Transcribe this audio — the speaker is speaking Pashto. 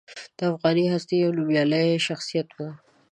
د افغاني هستې یو نومیالی شخصیت و.